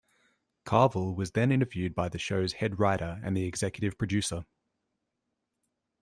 Carvell was then interviewed by the show's head writer and the executive producer.